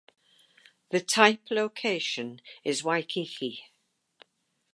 The type location is Waikiki.